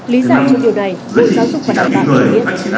lý do cho điều này bộ giáo dục và đào tạo đều biết